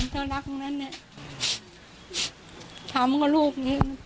ทำกับลูกเลย